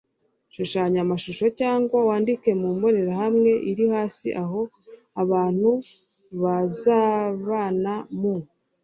Shushanya amashusho cyangwa wandike mu mbonerahamwe iri hasi aho abantu bazabana mu